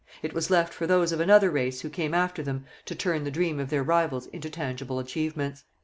It was left for those of another race who came after them to turn the dream of their rivals into tangible achievements.